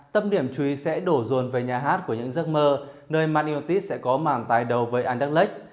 tâm điểm chú ý sẽ đổ ruồn về nhà hát của những giấc mơ nơi man utd sẽ có màn tài đầu với anderlecht